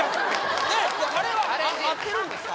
あれは合ってるんですか？